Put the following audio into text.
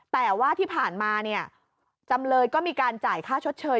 แต่ว่าที่ผ่านมาเนี่ยจำเลยก็มีการจ่ายค่าชดเชย